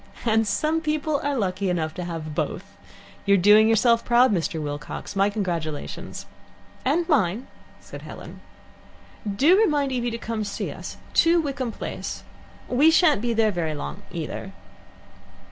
"And some people are lucky enough to have both. You're doing yourself proud, Mr. Wilcox. My congratulations." "And mine," said Helen. "Do remind Evie to come and see us two, Wickham Place. We shan't be there very long, either."